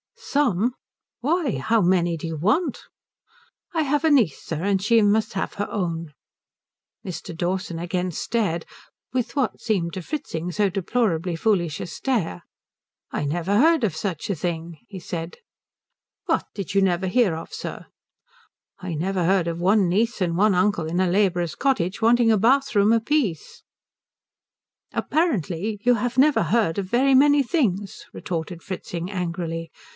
"Some? Why, how many do you want?" "I have a niece, sir, and she must have her own." Mr. Dawson again stared with what seemed to Fritzing so deplorably foolish a stare. "I never heard of such a thing," he said. "What did you never hear of, sir?" "I never heard of one niece and one uncle in a labourer's cottage wanting a bathroom apiece." "Apparently you have never heard of very many things," retorted Fritzing angrily.